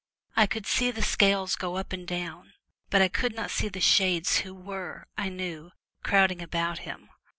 I could see the scales go up and down, but I could not see the shades who were, I knew, crowding about him.